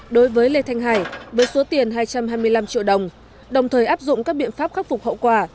đối với lê thanh hải với số tiền hai trăm hai mươi năm triệu đồng đồng thời áp dụng các biện pháp khắc phục hậu quả